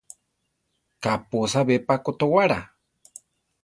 Kaʼpósa be pa kotowála?